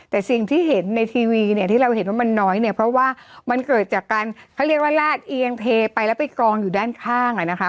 แต่สิ่งที่เห็นในทีวีเนี่ยที่เราเห็นว่ามันน้อยเนี่ยเพราะว่ามันเกิดจากการเขาเรียกว่าลาดเอียงเทไปแล้วไปกองอยู่ด้านข้างอ่ะนะคะ